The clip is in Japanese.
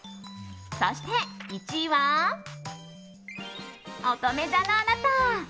そして１位はおとめ座のあなた。